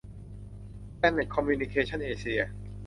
แพลนเน็ต คอมมิวนิเคชั่น เอเชีย